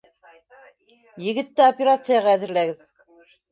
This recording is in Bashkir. - Егетте операцияға әҙерләгеҙ.